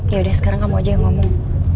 yaudah sekarang kamu aja yang ngomong